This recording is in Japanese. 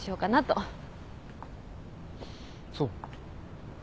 そう。